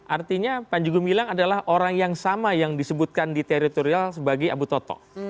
artinya panji gumilang adalah orang yang sama yang disebutkan di teritorial sebagai abu toto